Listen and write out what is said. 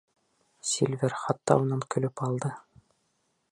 Сильвер хатта унан көлөп алды.